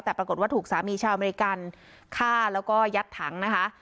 แต่ปรากฏว่าถูกสามีชาวอเมริกันฆ่าแล้วก็ยัดถังนะคะ